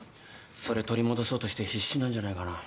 それ取り戻そうとして必死なんじゃないかな。